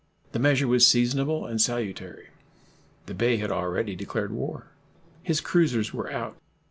The measure was seasonable and salutary. The Bey had already declared war. His cruisers were out.